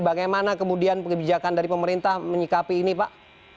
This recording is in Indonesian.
bagaimana kemudian kebijakan dari pemerintah menyikapi ini pak